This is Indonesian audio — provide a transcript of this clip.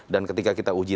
dan ketika kita uji